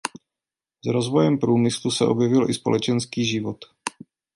S rozvojem průmyslu se objevil i společenský život.